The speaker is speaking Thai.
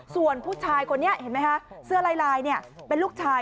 ส่วนผู้ชายคนนี้เห็นไหมคะเสื้อลายเป็นลูกชาย